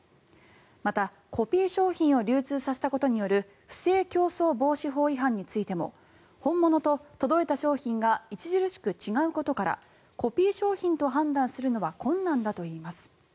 また、コピー商品を流通させたことによる不正競争防止法違反についても本物と届いた商品が著しく違うことからコピー商品と判断するのは困難だといいます。